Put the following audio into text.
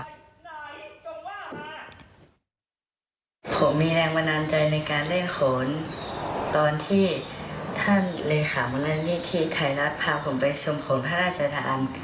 ผมมีแรงบันดาลใจในการเล่นโขนตอนที่ท่านเลขามูลนิธิไทยรัฐพาผมไปชมโขนพระราชทาน